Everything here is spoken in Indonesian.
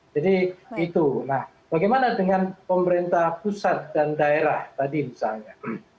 jadi itu nah bagaimana dengan pemerintah pusat dan daerah tadi misalnya